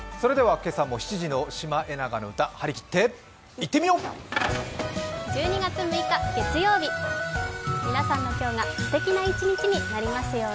今朝も７時のシマエナガの歌、張り切っていってみよう。